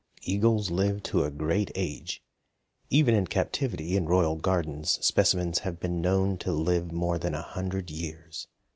Eagles live to a great age; even in captivity in royal gardens specimens have been known to live more than a hundred years.